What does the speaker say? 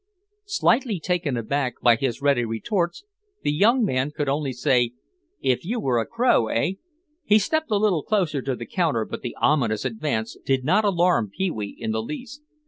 Slightly taken aback by his ready retorts, the young man could only say, "If you were a crow, hey?" He stepped a little closer to the counter but the ominous advance did not alarm Pee wee in the least.